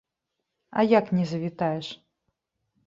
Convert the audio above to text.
А як не завітаеш!